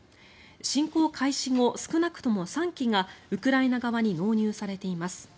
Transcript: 侵攻開始後、少なくとも３機がウクライナ側に納入されています。